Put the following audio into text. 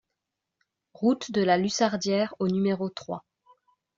Route de la Lussardière au numéro trois